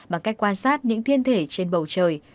bằng cách quan sát những thiên thể trên bầu trời